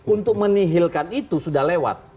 untuk menihilkan itu sudah lewat